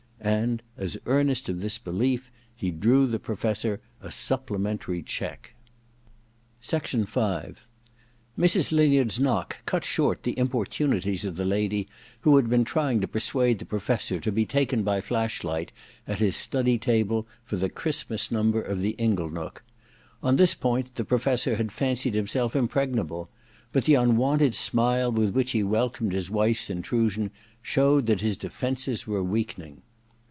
And as an earnest of this belief he drew the Professor a supplementary cheque. ? Mrs. Lin yard's knock cut short the Impor tunities of the lady who had been trying to persuade the Professor to be taken by flash light at his study table for the Christmas number of the Inglenook. On this point the Professor had fancied himself impregnable ; but the unwonted smile with which he welcomed his wife's intrusion showed that his defences were weakening.